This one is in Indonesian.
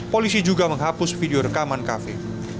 polisi juga menghapus video rekaman kafe